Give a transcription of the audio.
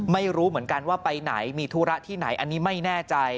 ไม่รู้เหมือนกันว่าไปไหนมีธุระที่ไหนอันนี้ไม่แน่ใจ